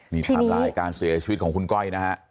มีความร้ายการเสียชีวิตของคุณก้อยนะครับ